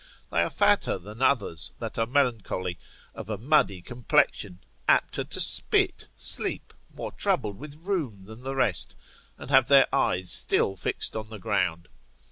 They are fatter than others that are melancholy, of a muddy complexion, apter to spit, sleep, more troubled with rheum than the rest, and have their eyes still fixed on the ground.